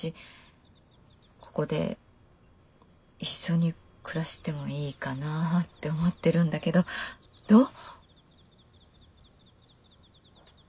ここで一緒に暮らしてもいいかなぁって思ってるんだけどどう？